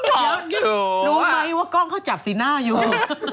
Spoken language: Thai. เดี๋ยวรู้ไหมว่ากล้องเขาจับสีหน้าอยู่